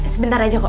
sebentar aja kok